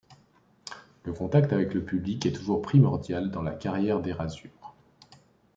Le contact avec le public est toujours primordial dans la carrière d'Erasure.